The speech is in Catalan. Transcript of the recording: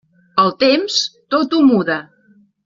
El temps, tot ho muda.